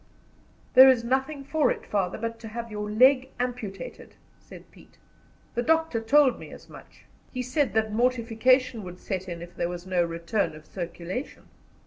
"There is nothing for it, father, but to have your leg amputated," said Pete. "The doctor told me as much. He said that mortification would set in if there was no return of circulation."